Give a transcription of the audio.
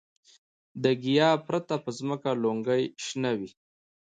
د ګیاه پرته په ځمکه لونګۍ شنه وه.